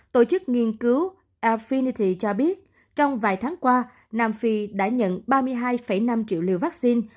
tổ chức nghiên cứu afinity cho biết trong vài tháng qua nam phi đã nhận ba mươi hai năm triệu liều vaccine